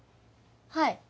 はい。